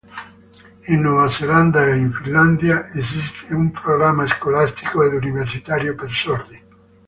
In Nuova Zelanda e in Finlandia esiste un programma scolastico ed universitario per sordi.